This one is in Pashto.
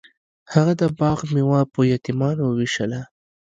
هغه د باغ میوه په یتیمانو ویشله.